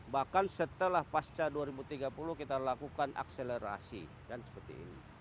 bahkan setelah pasca dua ribu tiga puluh kita lakukan akselerasi kan seperti ini